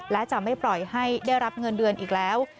และจะไม่ปล่อยให้ได้รับเงินเดือนอีกแล้ว